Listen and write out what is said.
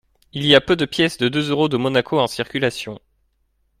Il y a peu de pièces de deux euros de Monaco en circulation.